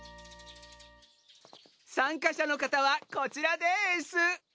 参加者の方はこちらです。